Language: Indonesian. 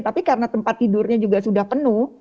tapi karena tempat tidurnya juga sudah penuh